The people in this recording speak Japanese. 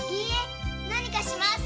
何かします。